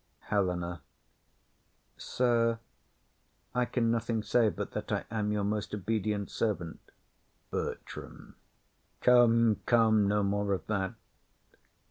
HELENA. Sir, I can nothing say But that I am your most obedient servant. BERTRAM. Come, come, no more of that.